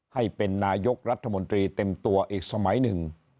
ให้เป็นนายกรัฐมนตรีเต็มตัวอีกสมัยหนึ่ง